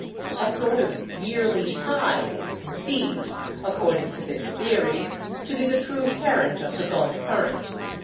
A sort of yearly tide is conceived, according to this theory, to be the true parent of the Gulf current.